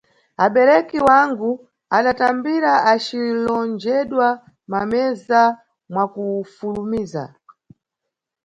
Abereki wangu adatambira acilongedwa mameza mwakufulumiza.